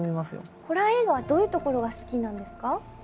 ホラー映画はどういうところが好きなんですか？